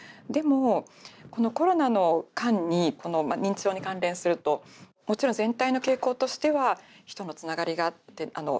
でもこのコロナの間に認知症に関連するともちろん全体の傾向としては人のつながりがあって。